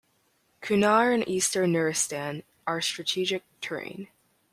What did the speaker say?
Kunar and eastern Nuristan are strategic terrain.